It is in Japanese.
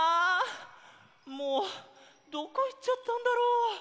もうどこいっちゃったんだろ？